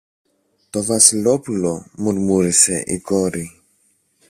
Το Βασιλόπουλο! μουρμούρισε η κόρη.